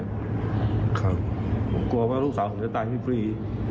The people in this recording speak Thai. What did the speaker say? บาทกลัวว่าลูกสาวผมจะตายพี่พรี